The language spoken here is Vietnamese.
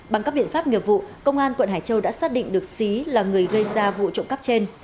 bằng các biện pháp nghiệp vụ công an quận hải châu đã xác định được xí là người gây ra vụ trộm cắp trên